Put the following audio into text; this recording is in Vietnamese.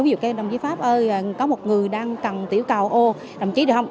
ví dụ kêu đồng chí pháp ơi có một người đang cần tiểu cào ô đồng chí được không